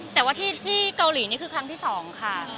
แต่ว่าที่เกาหลีนี่คือครั้งที่๒ค่ะ